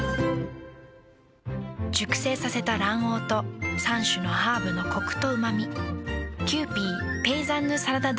熟成させた卵黄と３種のハーブのコクとうま味。